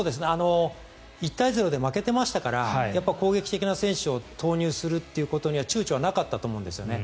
１対０で負けてましたから攻撃的な選手を投入するということには躊躇はなかったと思うんですね。